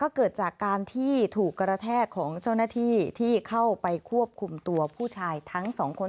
เกิดจากการที่ถูกกระแทกของเจ้าหน้าที่ที่เข้าไปควบคุมตัวผู้ชายทั้งสองคน